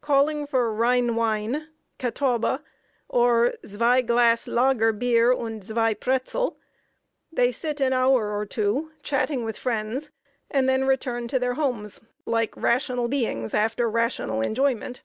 Calling for Rhein wine, Catawba, or "zwei glass lager bier und zwei pretzel," they sit an hour or two, chatting with friends, and then return to their homes like rational beings after rational enjoyment.